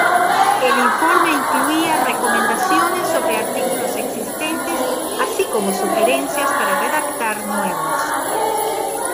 El informe incluía recomendaciones sobre artículos existentes así como sugerencias para redactar nuevos.